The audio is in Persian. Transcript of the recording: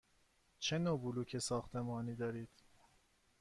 چه نوع بلوک ساختمانی دارید؟